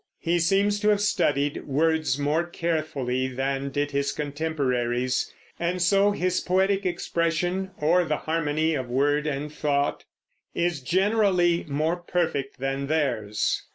He seems to have studied words more carefully than did his contemporaries, and so his poetic expression, or the harmony of word and thought, is generally more perfect than theirs.